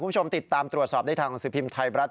คุณผู้ชมติดตามตรวจสอบได้ทางหนังสือพิมพ์ไทยรัฐ